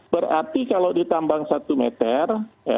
berarti kalau ditambang satu meter